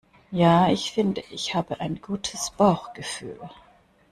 Ja, ich finde ich habe ein gutes Bauchgefühl.